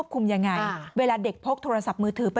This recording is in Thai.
ฟังเสียงคุณแม่และก็น้องที่เสียชีวิตค่ะ